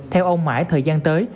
theo ông mãi thời gian tới